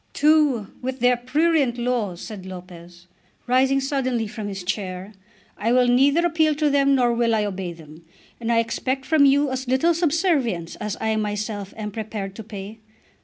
"To h with their prurient laws," said Lopez, rising suddenly from his chair. "I will neither appeal to them nor will I obey them. And I expect from you as little subservience as I myself am prepared to pay.